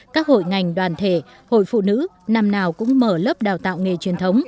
các hội ngành đoàn thể hội phụ nữ năm nào cũng mở lớp đào tạo nghề truyền thống